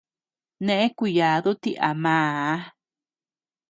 Neʼe kuyadu ti a maa.